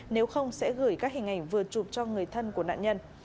nếu không sẽ gửi các hình ảnh vừa chụp cho người thân của nạn nhân